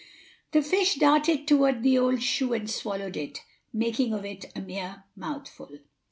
The fish darted toward the old shoe and swallowed it, making of it a mere mouthful.